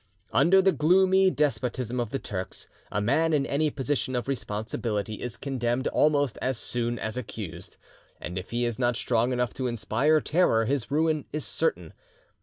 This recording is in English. Under the gloomy despotism of the Turks, a man in any position of responsibility is condemned almost as soon as accused; and if he is not strong enough to inspire terror, his ruin is certain.